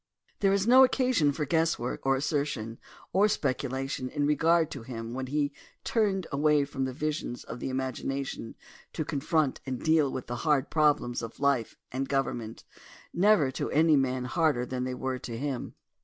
There is no occasion for guesswork, assertion, or speculation in regard to him when he turned away from the visions of the imagination to confront and deal with the hard problems of life and government, never to any man harder than they were to him.